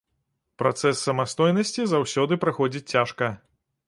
Працэс самастойнасці заўсёды праходзіць цяжка.